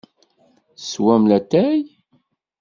Teswam latay?